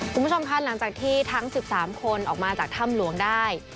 คุณผู้ชมคะหลังจากที่ทั้ง๑๓คนออกมาจากถ้ำหลวงได้